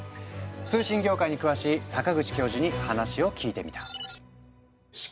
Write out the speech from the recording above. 通信業界に詳しい阪口教授に話を聞いてみた。